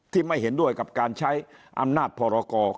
ไม่เห็นด้วยกับการใช้อำนาจพรกร